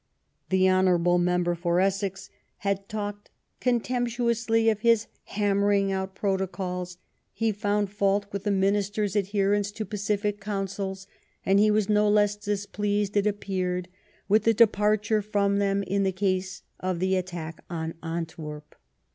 The hen. member for Essex had talked contemptuously of his hammering out protocols ; he found fault with the Ministers' adherence to pacific counsels ; and he was no less displeased, it appeared, with the departure from them in the case of the attack on Antwerp.